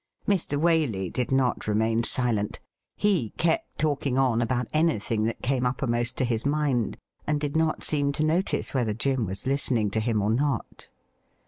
Mr. Waley did not remain silent. He kept talking on about anything that came uppermost to his mind, and did not seem to notice whether Jim wa^ listening to him or not.